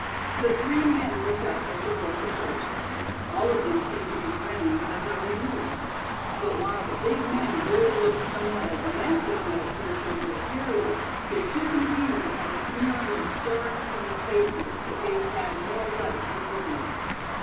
The three men looked up as the boys approached. All of them seemed to be grinning, as though amused. But while the big man really looked somewhat as a mastiff might appear to a little terrier, his two companions had a sneer on their dark, evil faces that gave Thad more or less uneasiness.